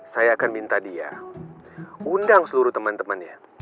saya akan minta dia undang seluruh teman temannya